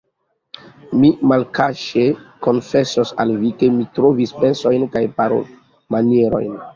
Mi malkaŝe konfesos al vi, ke mi trovis pensojn kaj parolmanieron.